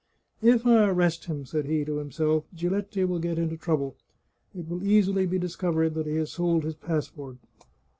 " If I arrest him," said he to himself, " Giletti will get into trouJ»le. It will easily be discovered that he has sold his passport.